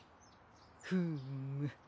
フーム。